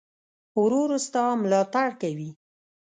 ورور ستا ملاتړ کوي.